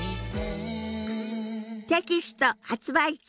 テキスト発売中。